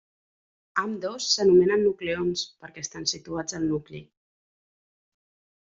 Ambdós s'anomenen nucleons perquè estan situats al nucli.